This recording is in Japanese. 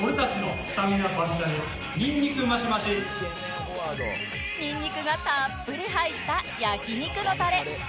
ニンニクがたっぷり入った焼肉のたれ